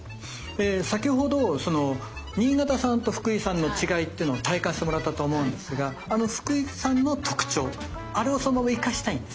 先ほど新潟産と福井産の違いっていうのを体感してもらったと思うんですがあの福井産の特徴あれをそのまま生かしたいんですね。